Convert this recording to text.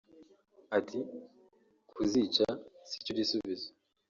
Ati “Kuzica si cyo gisubizo